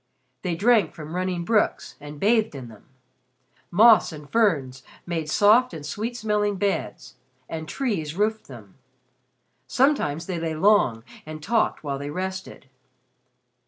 They drank from running brooks and bathed in them. Moss and ferns made soft and sweet smelling beds, and trees roofed them. Sometimes they lay long and talked while they rested.